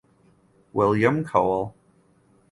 William Cole.